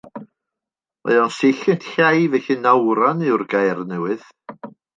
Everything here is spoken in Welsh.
A mae o'n sill yn llai felly nawran yw'r gair newydd.